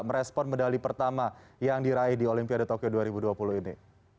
merespon medali pertama yang diraih di olimpiade tokyo dua ribu dua puluh ini